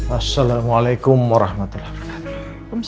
assalamualaikum warahmatullah wabarakatuh